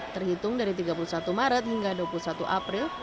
terhitung dari tiga puluh satu maret hingga dua puluh satu april